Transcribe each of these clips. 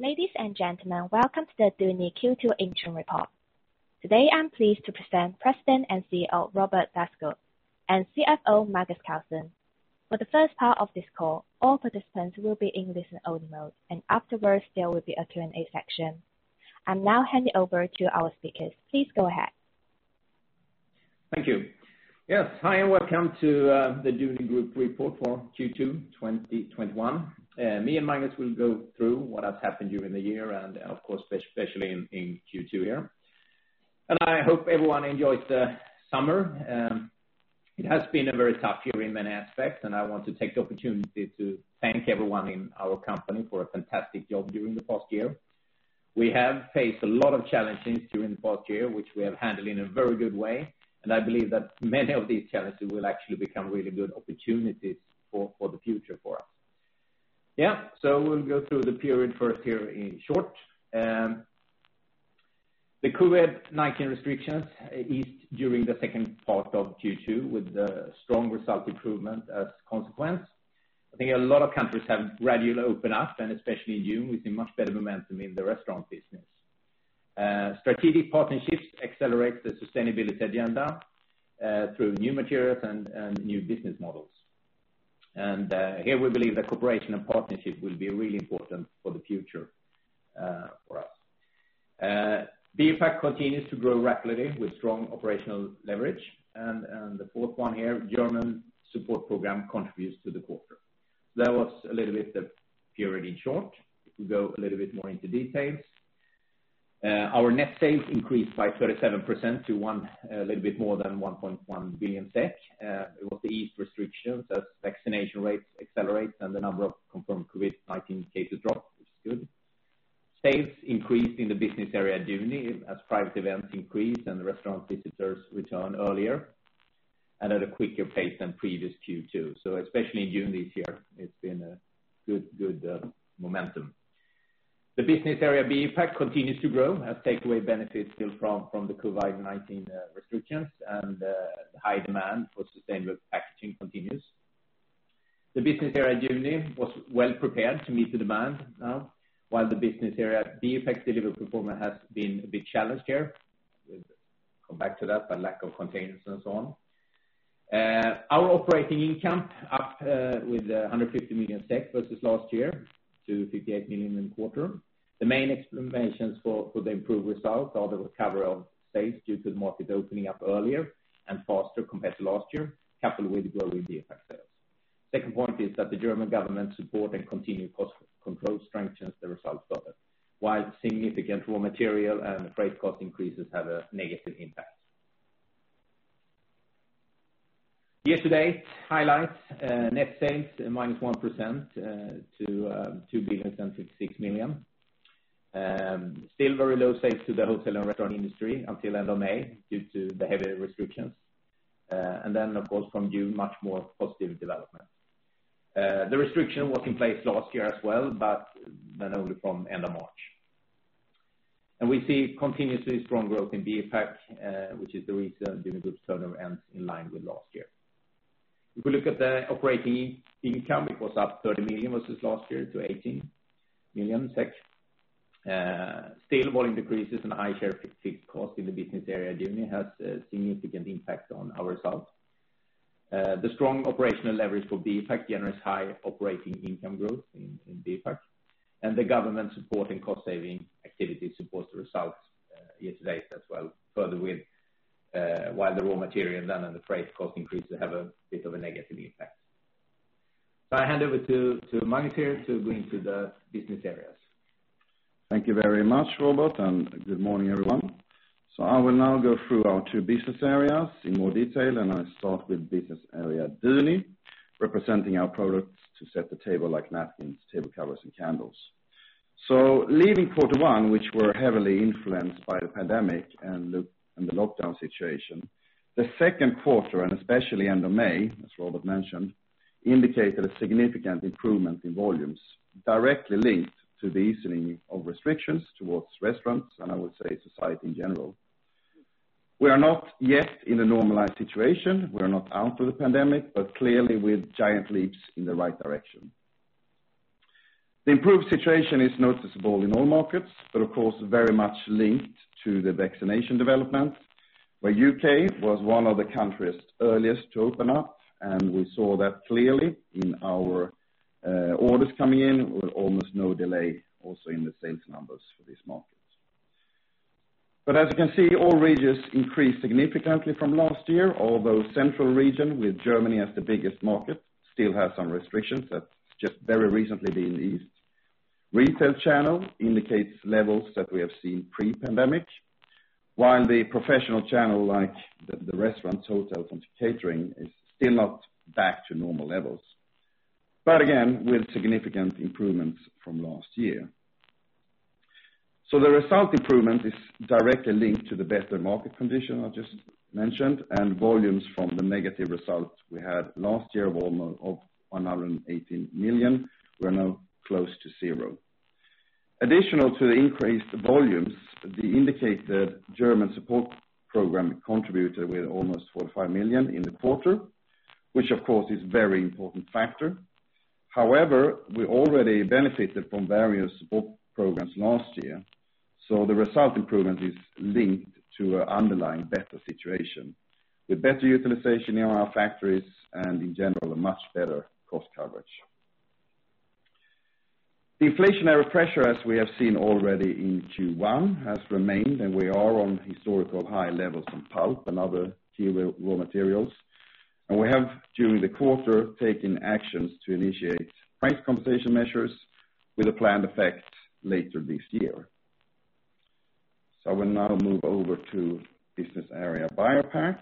Ladies and gentlemen, welcome to the Duni Q2 Interim Report. Today, I'm pleased to present President and CEO, Robert Dackeskog and CFO, Magnus Carlsson. For the first part of this call, all participants will be in listen-only mode, and afterwards there will be a Q&A section. I'll now hand it over to our speakers. Please go ahead. Thank you. Yes, hi and welcome to the Duni Group report for Q2 2021. Me and Magnus will go through what has happened during the year and, of course, especially in Q2 here. I hope everyone enjoyed the summer. It has been a very tough year in many aspects, and I want to take the opportunity to thank everyone in our company for a fantastic job during the past year. We have faced a lot of challenges during the past year, which we have handled in a very good way, and I believe that many of these challenges will actually become really good opportunities for the future for us. We'll go through the period first here in short. The COVID-19 restrictions eased during the second part of Q2 with strong result improvement as a consequence. I think a lot of countries have gradually opened up, and especially in June, we've seen much better momentum in the restaurant business. Strategic partnerships accelerate the sustainability agenda through new materials and new business models. Here we believe that cooperation and partnership will be really important for the future for us. BioPak continues to grow rapidly with strong operational leverage. The fourth one here, the German support program, contributes to the quarter. That was a little bit of the period in short. We go a little bit more into details. Our net sales increased by 37% to a little bit more than 1.1 billion SEK. It was the eased restrictions as vaccination rates accelerated and the number of confirmed COVID-19 cases dropped. It's good. Sales increased in the business area at Duni as private events increased and restaurant visitors returned earlier and at a quicker pace than previous Q2s. Especially in June this year, it's been good momentum. The business area BioPak continues to grow as takeaway benefits from the COVID-19 restrictions and the high demand for sustainable packaging continue. The business area at Duni was well prepared to meet the demand now, while the business area at BioPak's delivery performance has been a big challenge here with, come back to that, a lack of containers and so on. Our operating income is up by 150 million SEK versus last year to 58 million in the quarter. The main explanations for the improved results are the recovery of sales due to the market opening up earlier and faster compared to last year, coupled with growing BioPak sales. Second point is that the German government's support and continued cost control strengthen the results further. Significant raw material and freight cost increases have a negative impact. Year-to-date highlights: net sales are -1% to 2,056 million. Very low sales to the hotel and restaurant industry until the end of May due to the heavy restrictions. Of course, from June, much more positive development. The restriction was in place last year as well, only from the end of March. We see continuously strong growth in BioPak, which is the reason Duni Group's turnover ends in line with last year. If we look at the operating income, it was up 30 million versus last year to 18 million SEK. Volume decreases and high share fixed costs in the business area at Duni have a significant impact on our results. The strong operational leverage for BioPak generates high operating income growth in BioPak. The government support and cost-saving activity supports the results year-to-date as well, further while the raw material and the freight cost increase have a bit of a negative impact. I hand over to Magnus here to go into the business areas. Thank you very much, Robert, and good morning, everyone. I will now go through our two business areas in more detail, and I start with the business area at Duni, representing our products to set the table, like napkins, table covers, and candles. Leaving quarter one, which was heavily influenced by the pandemic and the lockdown situation, the second quarter, and especially the end of May, as Robert mentioned, indicated a significant improvement in volumes directly linked to the easing of restrictions towards restaurants and, I would say, society in general. We are not yet in a normalized situation. We are not out of the pandemic, but clearly we are making giant leaps in the right direction. The improved situation is noticeable in all markets but, of course, very much linked to the vaccination development. The U.K. was one of the earliest countries to open up, and we saw that clearly in our orders coming in with almost no delay and also in the sales numbers for this market. As you can see, all regions increased significantly from last year, although the central region, with Germany as the biggest market, still has some restrictions that have just very recently been eased. Retail channel indicates levels that we have seen pre-pandemic, while the professional channel, like the restaurant, hotel, and catering, is still not back to normal levels. Again, with significant improvements from last year. The result improvement is directly linked to the better market condition I just mentioned, and volumes from the negative results we had last year were almost up 118 million. We're now close to zero. In addition to the increased volumes, the indicated German support program contributed almost 45 million in the quarter, which, of course, is a very important factor. However, we already benefited from various support programs last year, the resulting improvement is linked to an underlying better situation, with better utilization in our factories and, in general, much better cost coverage. The inflationary pressure, as we have seen already in Q1, has remained, we are at historical high levels on pulp and other key raw materials. We have, during the quarter, taken actions to initiate price compensation measures with a planned effect later this year. I will now move over to the business area BioPak.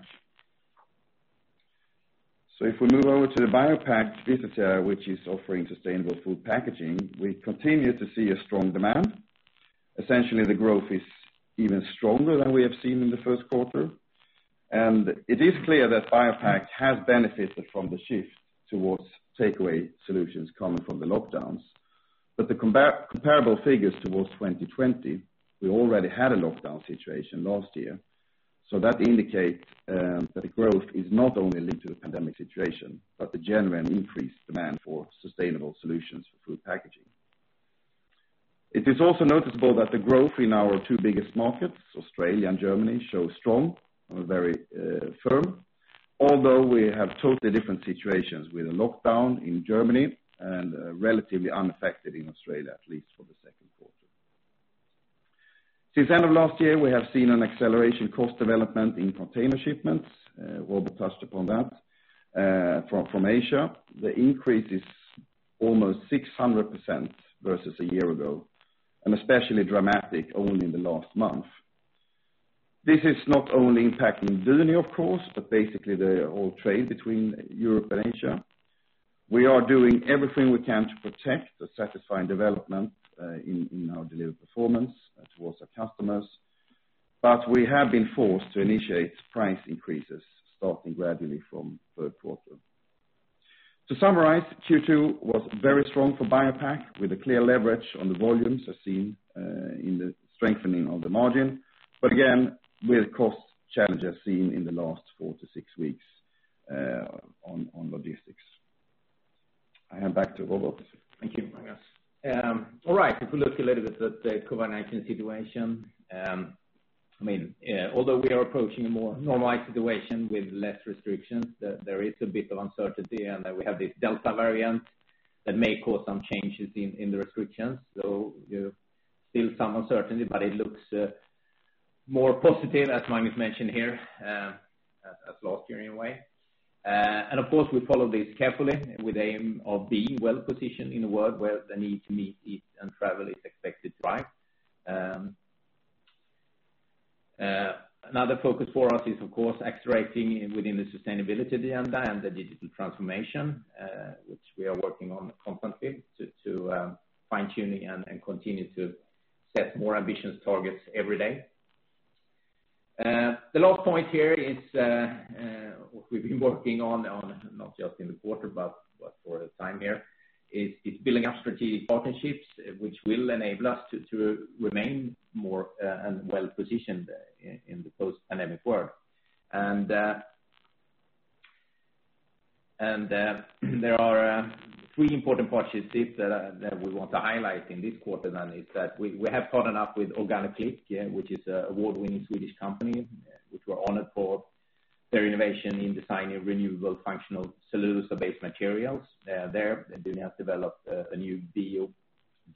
If we move over to the BioPak business area, which is offering sustainable food packaging, we continue to see a strong demand. The growth is even stronger than we have seen in the first quarter. It is clear that BioPak has benefited from the shift towards takeaway solutions coming from the lockdowns. The comparable figures towards 2020: we already had a lockdown situation last year. That indicates that the growth is not only linked to the pandemic situation but also to the genuine increased demand for sustainable solutions for food packaging. It is also noticeable that the growth in our two biggest markets, Australia and Germany, is strong and very firm, although we have totally different situations with a lockdown in Germany and are relatively unaffected in Australia, at least for the second quarter. Since the end of last year, we have seen an accelerated cost development in container shipments, Robert touched upon that from Asia. The increase is almost 600% versus a year ago, especially dramatic only in the last month. This is not only impacting Duni, of course, but basically the whole trade between Europe and Asia. We are doing everything we can to protect the satisfactory development in our delivery performance towards our customers. We have been forced to initiate price increases, starting gradually from the third quarter. To summarize, Q2 was very strong for BioPak, with clear leverage on the volumes as seen in the strengthening of the margin. Again, there are cost challenges seen in the last four to six weeks on logistics. I hand it back to Robert. Thank you, Magnus. If we look a little bit at the COVID-19 situation. We are approaching a more normalized situation with fewer restrictions, there is a bit of uncertainty, and we have this Delta variant that may cause some changes in the restrictions. Still some uncertainty, but it looks more positive, as Magnus mentioned here, than last year in a way. Of course, we follow this carefully with the aim of being well-positioned in a world where the need to meet, eat, and travel is expected to rise. Another focus for us is, of course, accelerating within the sustainability agenda and the digital transformation, which we are working on constantly to fine-tune and continue to set more ambitious targets every day. The last point here is what we've been working on, not just in the quarter but for the time here: building up strategic partnerships, which will enable us to remain more and better-positioned in the post-pandemic world. There are three important partnerships that we want to highlight in this quarter, and that is that we have partnered up with OrganoClick, which is an award-winning Swedish company that was honored for its innovation in designing renewable functional cellulose-based materials. There, Duni has developed a new Bio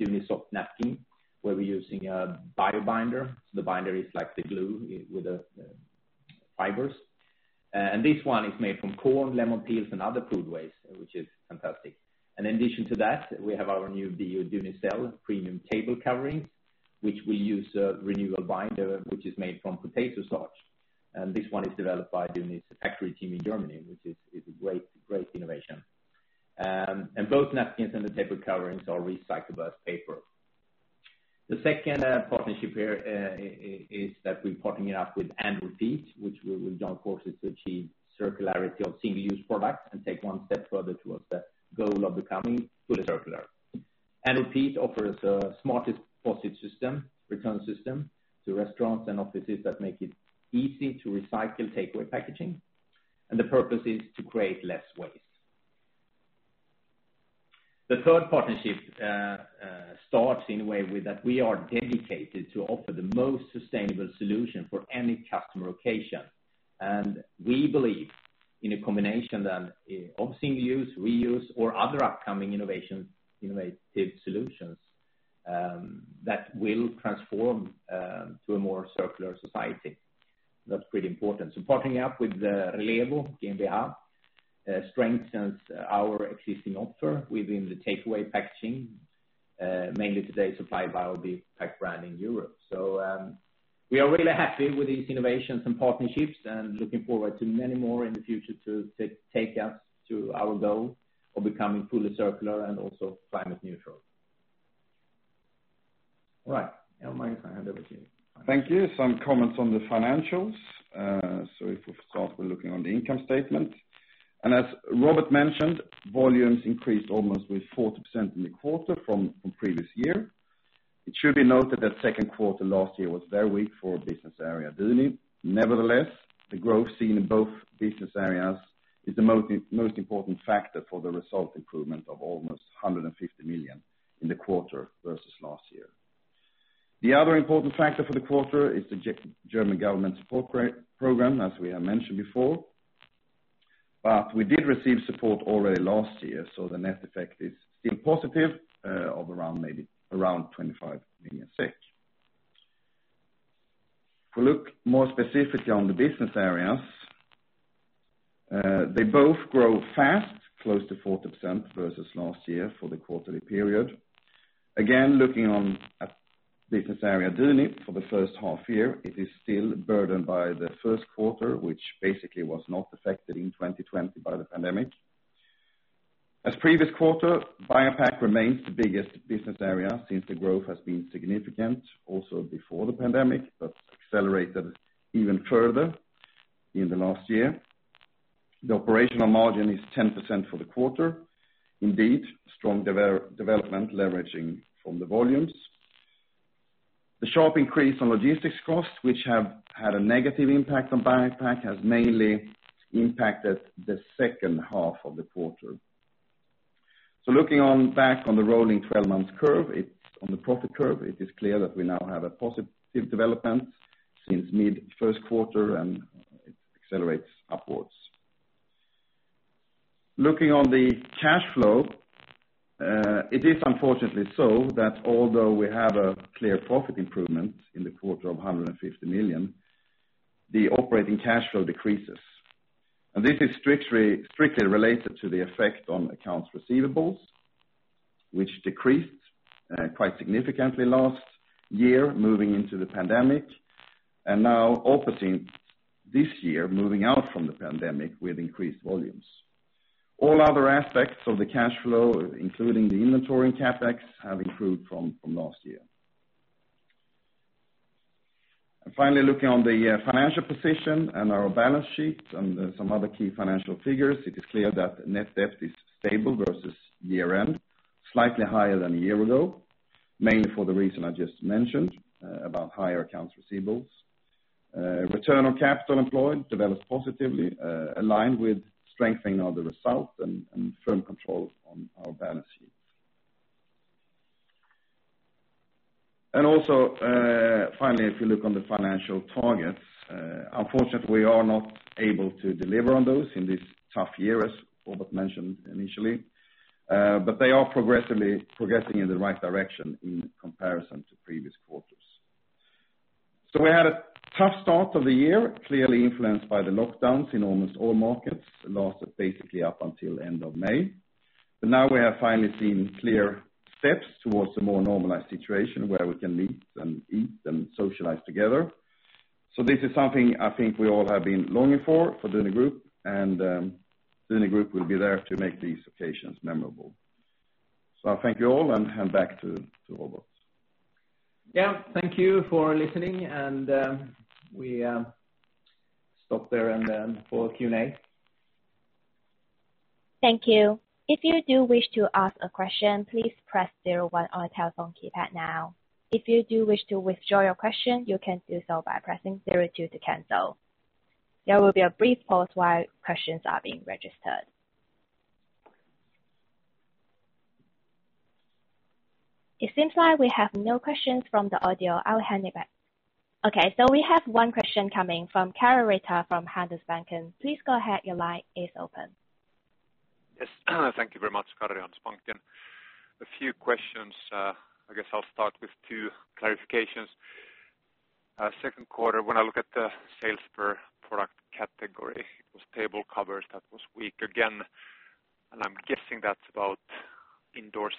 Dunisoft napkin, where we're using a bio-binder. The binder is like the glue with the fibers. This one is made from corn, lemon peels, and other food waste, which is fantastic. In addition to that, we have our new Bio Dunicel premium table coverings, which we use a renewable binder, which is made from potato starch. This one is developed by Duni's factory team in Germany, which is a great innovation. Both napkins and the table coverings are recyclable paper. The second partnership here is that we're partnering up with &Repeat, with whom we will join forces to achieve circularity of single-use products and take one step further towards the goal of becoming fully circular. &Repeat offers the smartest deposit system and return system to restaurants and offices that make it easy to recycle takeaway packaging, and the purpose is to create less waste. The third partnership starts in a way that we are dedicated to offering the most sustainable solution for any customer occasion. We believe in a combination of single-use, reuse, or other upcoming innovative solutions that will transform us to a more circular society. That's pretty important. Partnering up with the Relevo GmbH strengthens our existing offer within the takeaway packaging, mainly today supplied by our BioPak brand in Europe. We are really happy with these innovations and partnerships and looking forward to many more in the future to take us to our goal of becoming fully circular and also climate-neutral All right. Magnus, I hand over to you. Thank you. Some comments on the financials. If we start with looking at the income statement. As Robert mentioned, volumes increased by almost 40% in the quarter from the previous year. It should be noted that the second quarter last year was very weak for business area Duni. Nevertheless, the growth seen in both business areas is the most important factor for the result improvement of almost 150 million in the quarter versus last year. The other important factor for the quarter is the German government support program, as we have mentioned before. We did receive support already last year, so the net effect is still positive, around maybe 25 million. If we look more specifically at the business areas, they both grow fast, close to 40% versus last year for the quarterly period. Looking at business area Duni for the first half-year, it is still burdened by the first quarter, which basically was not affected in 2020 by the pandemic. As in the previous quarter, BioPak remains the biggest business area since the growth has been significant also before the pandemic but accelerated even further in the last year. The operational margin is 10% for the quarter. Indeed, strong development leverages the volumes. The sharp increase in logistics costs, which has had a negative impact on BioPak, has mainly impacted the second half of the quarter. Looking back on the rolling 12 months curve, on the profit curve, it is clear that we now have a positive development since mid-first quarter, and it accelerates upwards. Looking at the cash flow, it is unfortunately so that although we have a clear profit improvement in the quarter of 150 million, the operating cash flow decreases. This is strictly related to the effect on accounts receivables, which decreased quite significantly last year moving into the pandemic. Now opposite this year, moving on from the pandemic with increased volumes. All other aspects of the cash flow, including the inventory and CapEx, have improved from last year. Finally, looking at the financial position and our balance sheet and some other key financial figures, it is clear that net debt is stable versus year-end, slightly higher than a year ago, mainly for the reason I just mentioned about higher accounts receivables. Return on capital employed developed positively, aligned with the strengthening of the result and firm control on our balance sheet. Also, finally, if you look at the financial targets, unfortunately, we are not able to deliver on those in this tough year, as Robert mentioned initially. They are progressively progressing in the right direction in comparison to previous quarters. We had a tough start of the year, clearly influenced by the lockdowns in almost all markets, lasting basically up until the end of May. Now we have finally seen clear steps towards a more normalized situation where we can meet and eat and socialize together. This is something I think we all have been longing for, Duni Group, and Duni Group will be there to make these occasions memorable. I thank you all and hand it back to Robert. Yeah. Thank you for listening, and we stop there and then for Q&A. Thank you. If you do wish to ask a question, please press zero on the telephone keyboard now. If you do wish to withdraw your question, you can do so by pressing zero to cancel. There will be a brief pause while your question is being registered. It seems like we have no questions from the audio. I'll hand it back. We have one question coming from Karri Rinta from Handelsbanken. Yes. Thank you very much. Karri, Handelsbanken. A few questions. I guess I'll start with two clarifications. Second quarter, when I looked at the sales per product category, it was table covers that were weak again, and I'm guessing that's about indoor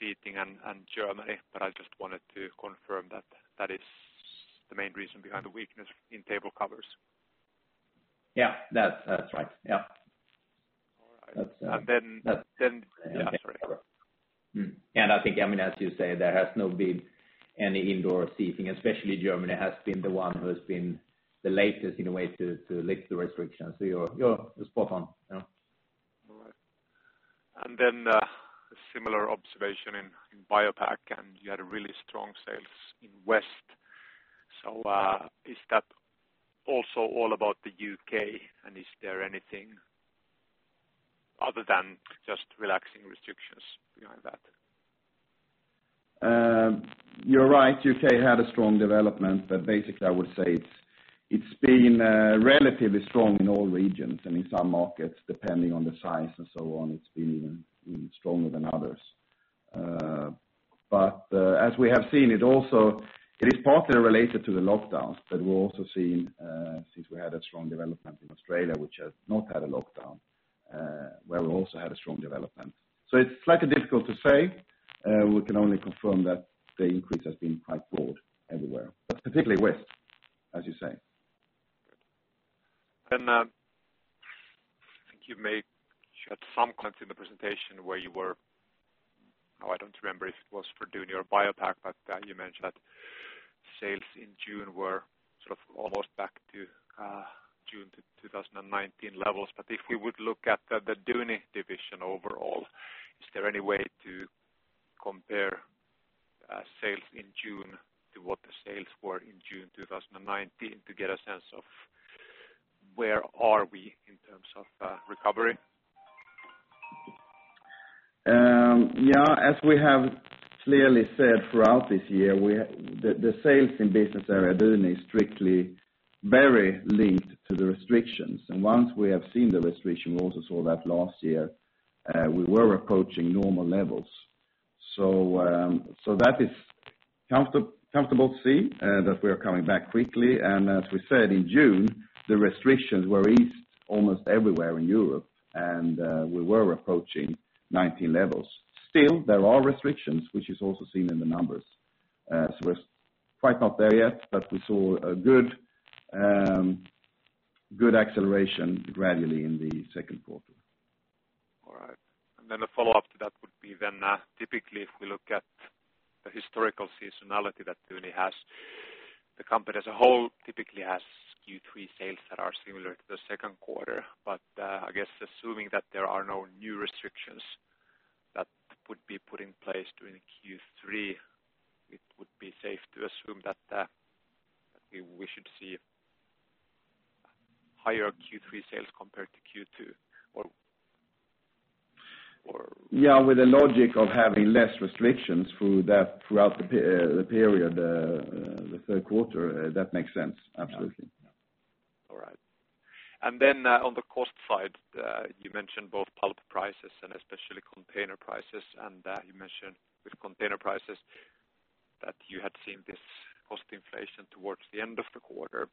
seating and Germany, but I just wanted to confirm that that is the main reason behind the weakness in table covers. Yeah. That's right. Yeah. All right. That's right. Yeah, sorry. Go on. I think, as you say, there has not been any indoor seating, especially Germany has been the one who has been the latest in a way to lift the restrictions. You're spot on. Yeah. All right. A similar observation in BioPak, and you had really strong sales in the West. Is that also all about the U.K. and is there anything other than just relaxing restrictions behind that? You're right, the U.K. had strong development, basically, I would say it's been relatively strong in all regions, and in some markets, depending on the size and so on, it's been even stronger than others. As we have seen, it is partly related to the lockdowns, we're also seeing, since we had a strong development in Australia, which has not had a lockdown, that we also had a strong development. It's slightly difficult to say. We can only confirm that the increase has been quite broad everywhere, particularly West, as you say. Good. I think you may have had some comments in the presentation. Now, I don't remember if it was for Duni or BioPak, but you mentioned that sales in June were almost back to June 2019 levels. If we were to look at the Duni division overall, is there any way to compare sales in June to what the sales were in June 2019 to get a sense of where we are in terms of recovery? Yeah. As we have clearly said throughout this year, the sales in business area Duni are strictly very linked to the restrictions. Once we had seen the restriction, we also saw that last year, we were approaching normal levels. It is comfortable to see that we are coming back quickly. As we said in June, the restrictions were eased almost everywhere in Europe, and we were approaching 2019 levels. Still, there are restrictions, which is also seen in the numbers. We're quite not there yet, but we saw good gradual acceleration in the second quarter. All right. A follow-up to that would be, then, typically if we look at the historical seasonality that Duni has, the company as a whole typically has Q3 sales that are similar to the second quarter. I guess assuming that there are no new restrictions that would be put in place during Q3, it would be safe to assume that we should see higher Q3 sales compared to Q2? Yeah, with the logic of having less restrictions throughout the period, the third quarter, that makes sense. Absolutely. All right. On the cost side, you mentioned both pulp prices and especially container prices. You mentioned with container prices that you had seen this cost inflation towards the end of the quarter.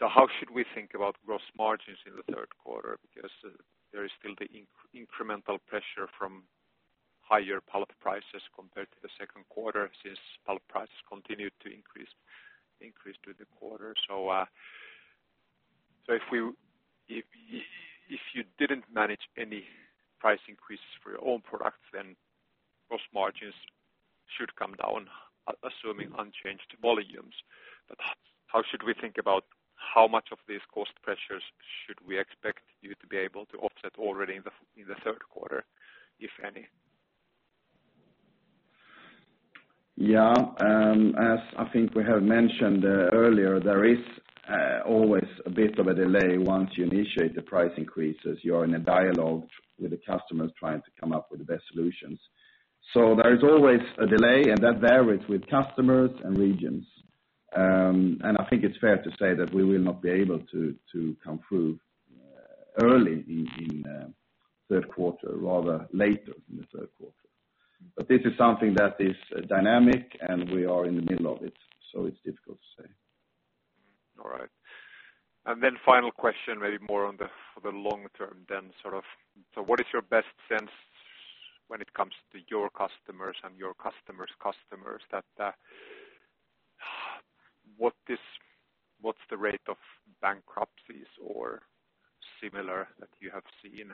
How should we think about gross margins in the third quarter? There is still the incremental pressure from higher pulp prices compared to the second quarter, since pulp prices continued to increase through the quarter. If you didn't manage any price increases for your own products, then gross margins should come down, assuming unchanged volumes. How should we think about how much of these cost pressures should we expect you should be able to offset already in the third quarter, if any? Yeah. As I think we have mentioned earlier, there is always a bit of a delay once you initiate the price increases. You're in a dialogue with the customers trying to come up with the best solutions. There is always a delay, and that varies with customers and regions. I think it's fair to say that we will not be able to come through early in the third quarter, but rather later in the third quarter. This is something that is dynamic, and we are in the middle of it, so it's difficult to say. All right. Final question, maybe more on the long term, then. What is your best sense when it comes to your customers and your customers' customers? What's the rate of bankruptcies or similar that you have seen?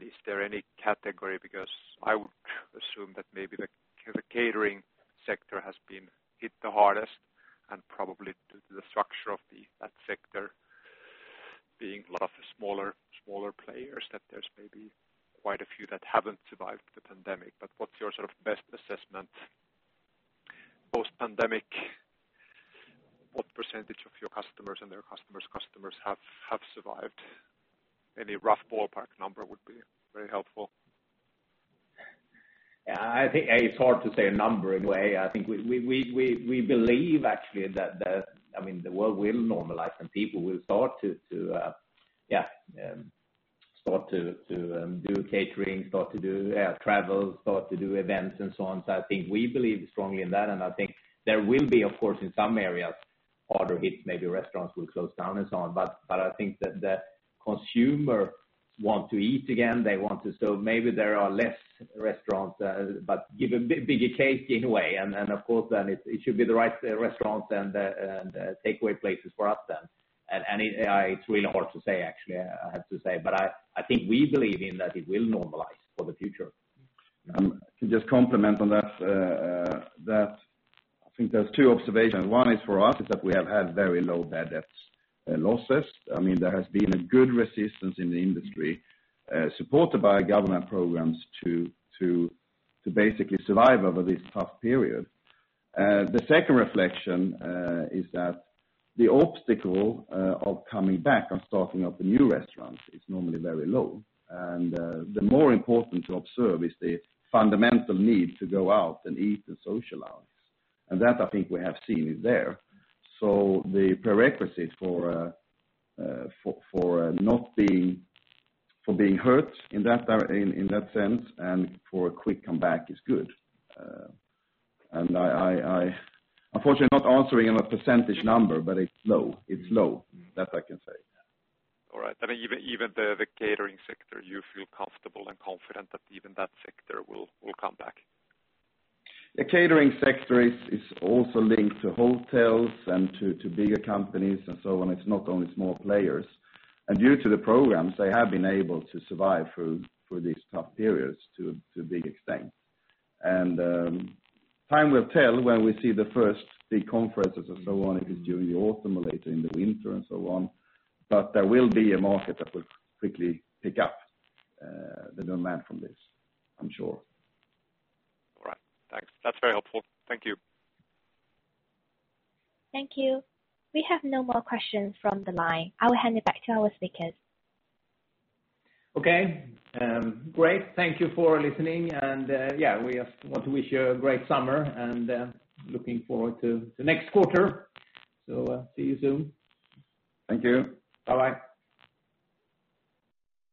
Is there any category? Because I would assume that maybe the catering sector has been hit the hardest, and probably due to the structure of that sector being a lot of smaller players, there are maybe quite a few that haven't survived the pandemic. What's your best assessment post-pandemic? What percentage of your customers and their customers' customers have survived? Any rough ballpark number would be very helpful. Yeah. I think it's hard to say a number in a way. I think we believe actually that the world will normalize and people will start to do catering, start to do travel, start to do events, and so on. I think we believe strongly in that, and I think there will be, of course, in some areas, harder hits, maybe restaurants will close down and so on. I think that the consumer wants to eat again. Maybe there are less restaurants, but it's a bigger cake in a way, and of course then it should be the right restaurants and takeaway places for us. It's really hard to say, actually, I have to say. I think we believe that it will normalize for the future. To just comment on that. I think there are two observations. One is for us: we have had very low bad debt losses. There has been a good resistance in the industry, supported by government programs to basically survive over this tough period. The second reflection is that the obstacle of coming back and starting up a new restaurant is normally very low. The more important thing to observe is the fundamental need to go out and eat and socialize. That, I think we have seen, is there. The prerequisites for being heard in that sense and for a quick comeback are good. Unfortunately, I'm not answering in a percentage number, but it's low. That I can say. All right. Even in the catering sector, you feel comfortable and confident that even that sector will come back? The catering sector is also linked to hotels and to bigger companies and so on. It's not only small players. Due to the programs, they have been able to survive through these tough periods to a big extent. Time will tell when we see the first big conferences and so on if it's during the autumn or later in the winter and so on. There will be a market that will quickly pick up the demand from this, I'm sure. All right. Thanks. That's very helpful. Thank you. Thank you. We have no more questions from the line. I will hand it back to our speakers. Okay. Great. Thank you for listening. We want to wish you a great summer and are looking forward to the next quarter. See you soon. Thank you. Bye-bye.